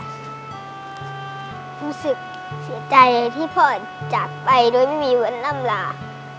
รู้สึกเป้าหมายที่พ่อจัดไปเป็นไปแบบไม่มีวันนั้นแล้ว